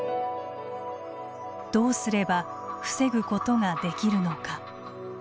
どうすれば防ぐことができるのか。